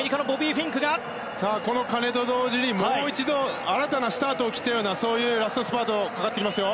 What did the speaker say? この鐘と同時に新たなスタートを切ったようなそういうラストスパートがかかっていきますよ。